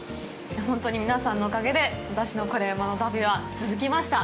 本当に皆さんのおかげで私の「コレうまの旅」は続きました。